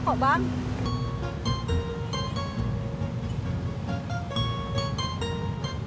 nggak tau apa apaan